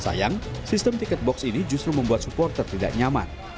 sayang sistem tiket box ini justru membuat supporter tidak nyaman